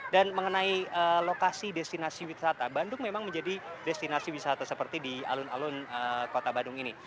dan mengenai lokasi destinasi wisata bandung memang menjadi destinasi wisata seperti di alun alun kota bandung ini